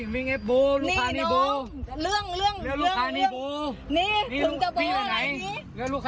วิ่งเอฟบูลูกค้านี้บู